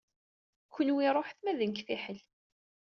Kenwi ṛuḥet ma d nekk fiḥel.